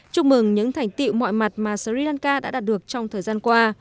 chúc mừng những thành tiệu mọi mặt mà sri lanka đã đạt được trong thời gian qua